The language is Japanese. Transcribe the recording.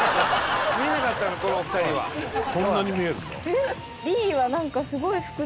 そんなに見えるんだ。